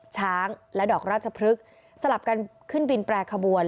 ช้างและดอกราชพฤกษ์สลับกันขึ้นบินแปรขบวน